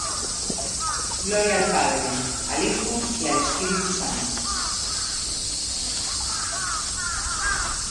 Pres.: Gloria al Padre, y al Hijo, y al Espíritu Santo;